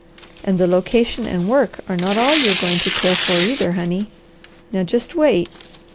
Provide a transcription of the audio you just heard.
And the location and work are not all you're going to care for either, honey. Now just wait!